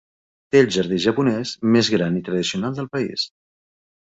Té el jardí japonès més gran i tradicional del país.